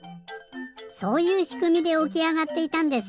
そういうしくみでおきあがっていたんですね！